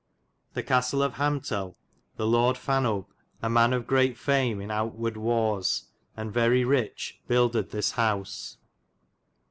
The castle of Hamtel.'^ The Lorde Fanope, a man of greate fame in owtewarde warres, and very riche, buildid this house.